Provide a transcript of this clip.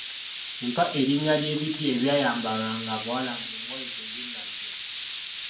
Mpa erinnya ly'ebiti ebyayambalwanga abawala ng'engoye tezinnajja.